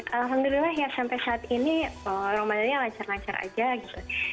alhamdulillah ya sampai saat ini ramadannya lancar lancar aja gitu